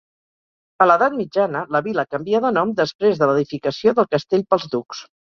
A l'edat mitjana, la vila canvia de nom després de l'edificació del castell pels ducs.